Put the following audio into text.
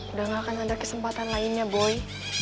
udah gak akan ada kesempatan lainnya boy